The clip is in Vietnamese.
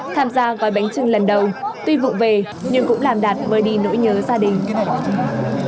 tham gia gói bánh chưng lần đầu tuy vụ về nhưng cũng làm đạt mới đi nỗi nhớ gia đình